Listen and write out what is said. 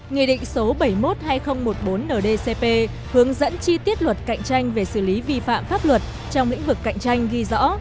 nghị định số bảy mươi một hai nghìn một mươi bốn ndcp hướng dẫn chi tiết luật cạnh tranh về xử lý vi phạm pháp luật trong lĩnh vực cạnh tranh ghi rõ